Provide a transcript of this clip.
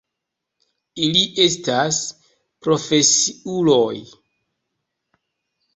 Ili estas profesiuloj.